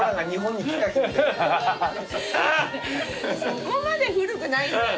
「そこまで古くない」